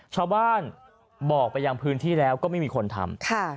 ชาวบ้านบอกไปยังพื้นที่แล้วก็ไม่มีคนทำ